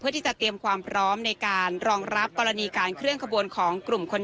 ที่จะเตรียมความพร้อมในการรองรับกรณีการเคลื่อนขบวนของกลุ่มคน